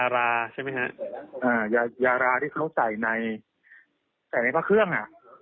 ว่ายาราที่เขาใส่ในวักโครง